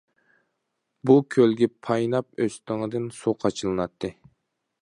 بۇ كۆلگە پايناپ ئۆستىڭىدىن سۇ قاچىلىناتتى.